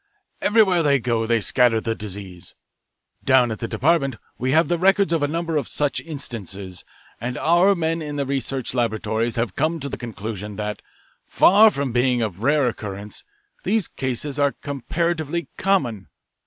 Everywhere they go they scatter the disease. Down at the department we have the records of a number of such instances, and our men in the research laboratories have come to the conclusion that, far from being of rare occurrence, these cases are comparatively common.